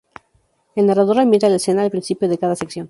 El narrador ambienta la escena al principio de cada sección.